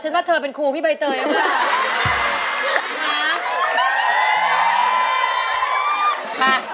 ว่าเธอเป็นครูพี่ใบเตยหรือเปล่า